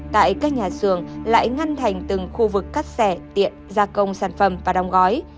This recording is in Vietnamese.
tại các nhà xưởng lại ngăn thành từng khu vực cắt xẻ tiện gia công sản phẩm và đóng gói